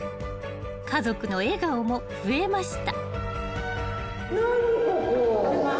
［家族の笑顔も増えました］